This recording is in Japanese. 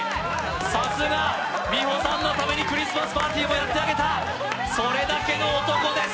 さすが美穂さんのためにクリスマスパーティーもやってあげたそれだけの男です